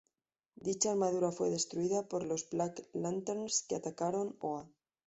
Dicha armadura fue destruida por los Black Lanterns que atacaron Oa.